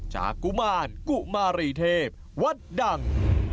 กุมารกุมารีเทพวัดดัง